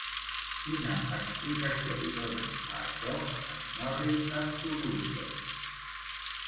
Quina explicació li dona a això Snorri Sturluson?